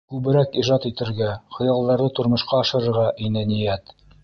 Күберәк ижад итергә, хыялдарҙы тормошҡа ашырырға ине ниәт.